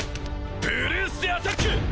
ブルースでアタック！